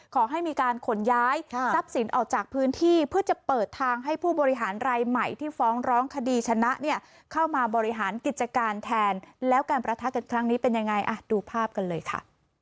ขอให้มีการขนย้ายทรัพย์สินออกจากพื้นที่เพื่อจะเปิดทางให้ผู้บริหารรายใหม่ที่ฟ้องร้องคดีชนะเนี่ยเข้ามาบริหารกิจการแทนแล้วการประทะกันครั้งนี้เป็นยังไงอ่ะดูภาพกันเลยค่ะ